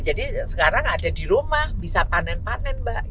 jadi sekarang ada di rumah bisa panen panen mbak